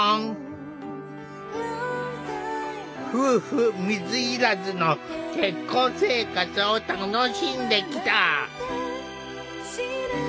夫婦水入らずの結婚生活を楽しんできた。